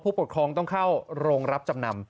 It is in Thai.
ปกครองต้องเข้าโรงรับจำนำ